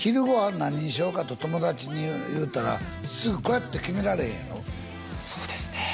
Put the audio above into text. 何にしようかと友達に言うたらすぐこれって決められへんやろそうですね